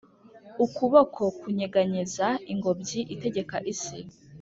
ukuboko kunyeganyeza ingobyi itegeka isi